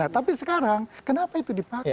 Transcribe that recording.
tapi sekarang kenapa itu dipakai